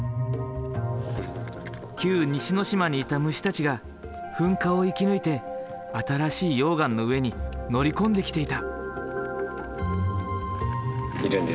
旧西之島にいた虫たちが噴火を生き抜いて新しい溶岩の上に乗り込んできていた。